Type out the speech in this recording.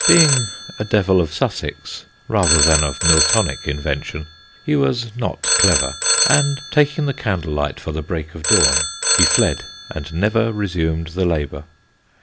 Being a Devil of Sussex rather than of Miltonic invention, he was not clever, and taking the candle light for the break of dawn, he fled and never resumed the labour.